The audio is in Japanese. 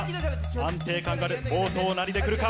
安定感がある冒頭何で来るか？